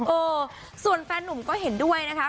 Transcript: เออส่วนแฟนนุ่มก็เห็นด้วยนะคะ